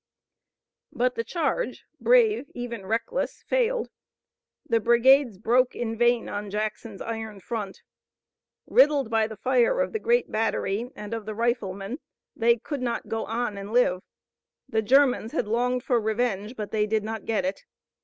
But the charge, brave, even reckless, failed. The brigades broke in vain on Jackson's iron front. Riddled by the fire of the great battery and of the riflemen they could not go on and live. The Germans had longed for revenge, but they did not get it.